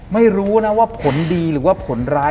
ไม่รู้นะว่าผลดีหรือว่าผลร้าย